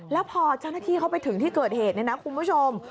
แล้วพอเจ้าหน้าที่เขาไปถึงที่เกิดเหตุเนี่ยนะคุณผู้ชม